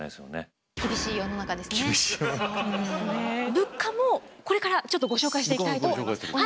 物価もこれからちょっとご紹介していきたいと思います。